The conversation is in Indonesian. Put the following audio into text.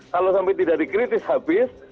kalau sampai tidak dikritis habis